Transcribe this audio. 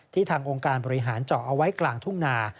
ทางองค์การบริหารเจาะเอาไว้กลางทุ่งนา